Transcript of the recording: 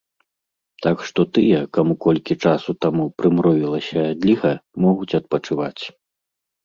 Так што тыя, каму колькі часу таму прымроілася адліга, могуць адпачываць.